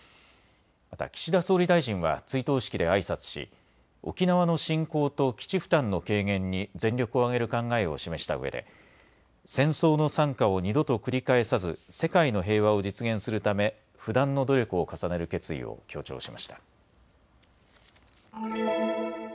また岸田総理大臣は追悼式であいさつし沖縄の振興と基地負担の軽減に全力を挙げる考えを示したうえで戦争の惨禍を二度と繰り返さず世界の平和を実現するため不断の努力を重ねる決意を強調しました。